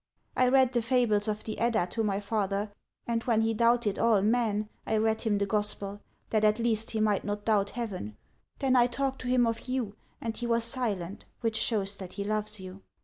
I read the fables of the Edda to my father, and when he doubted all men, I read him the Gospel, that at least he might not doubt Heaven ; then I talked to him of you, and he was silent, which shows that he loves you.